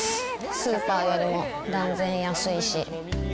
スーパーよりも断然安いし。